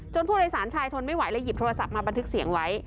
ผู้โดยสารชายทนไม่ไหวเลยหยิบโทรศัพท์มาบันทึกเสียงไว้